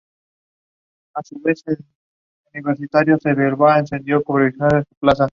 Los recursos de la tierra incluían al maguey, la pitahaya, y el venado.